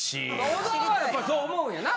小沢はやっぱりそう思うんやな？